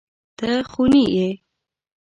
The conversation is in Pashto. ته خوني يې.